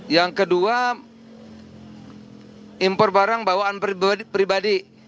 yang kedua impor barang bawaan pribadi